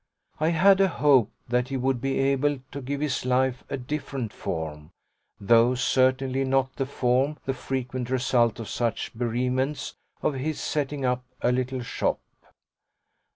I had a hope that he would be able to give his life a different form though certainly not the form, the frequent result of such bereavements, of his setting up a little shop.